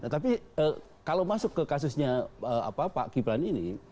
tapi kalau masuk ke kasusnya pak kiplan ini